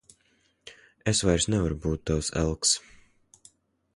Es vairs nevaru būt tavs elks.